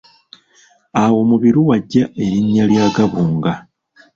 Awo Mubiru w'aggya erinnya lya Gabunga.